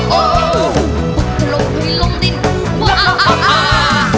ปุ๊บทะโลหุ่ยลงดินว้าอ้าอ้าอ้า